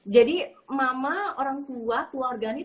jadi mama orang tua keluarganya